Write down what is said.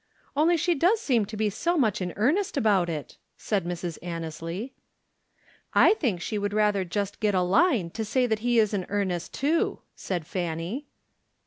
"Only she does seem to be so much in earnest about it," said Mrs. Annesley. "I think she would rather get just a line to say that he is in earnest too," said Fanny.